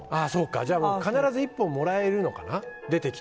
じゃあ必ず１本もらえるのかな出てきて。